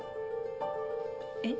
えっ？